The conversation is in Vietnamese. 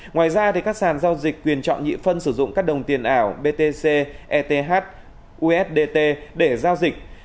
ngoài ra các sàn giao dịch quyền chọn nhị phân sử dụng các đồng tiền ảo btc eth ust để giao dịch